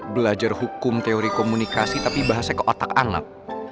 belajar hukum teori komunikasi tapi bahasanya ke otak anget